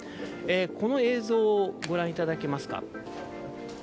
この映像、ご覧いただけますか。